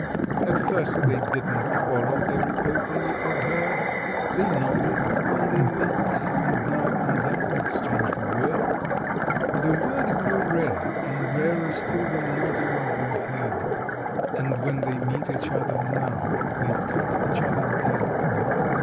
At first they didn't quarrel very openly, I've heard; They nodded when they met, and now and then exchanged a word: The word grew rare, and rarer still the nodding of the head, And when they meet each other now, they cut each other dead.